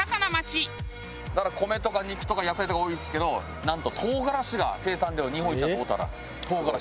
だから米とか肉とか野菜とか多いですけどなんと唐辛子が生産量日本一大田原。